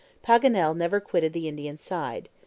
Paganel never quitted the Indian's side.